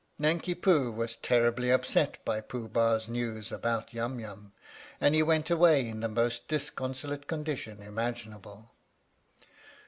Nanki Poo was terribly upset by Pooh Bah's news about Yum Yum, and he went away in the most disconsolate condition imaginable.